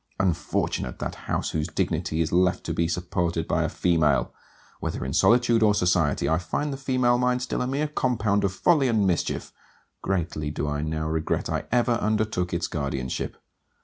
Unfortunate that house whose dignity is left to be supported by a female! Whether in solitude or society, I find the female mind still a mere compound of folly and mischief: greatly do I now regret I ever undertook its guardianship.